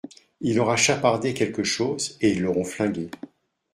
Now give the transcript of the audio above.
il aura chapardé quelque chose, et ils l’auront flingué.